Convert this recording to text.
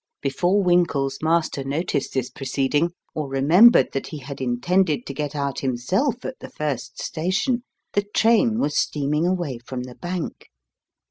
Before Winkle's master noticed this proceeding, or remembered that he had intended to get out himself at the first station, the train was steaming away from the bank.